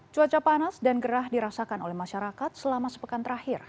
cuaca panas dan gerah dirasakan oleh masyarakat selama sepekan terakhir